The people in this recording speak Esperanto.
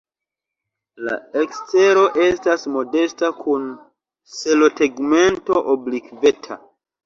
La ekstero etas modesta kun selotegmento oblikveta.